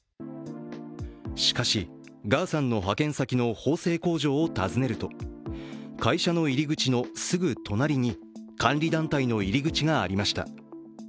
しかし、ガーさんの派遣先の縫製工場を訪ねると会社の入り口のすぐ隣に、監理団体の入り口がありました。